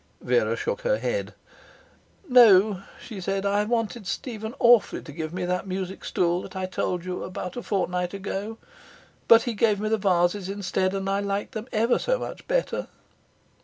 Vera shook her head. 'No,' she said. 'I wanted Stephen awfully to give me that music stool that I told you about a fortnight ago. But he gave me the vases instead, and I liked them ever so much better.'